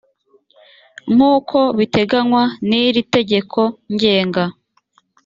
nk uko biteganywa n iri tegeko ngenga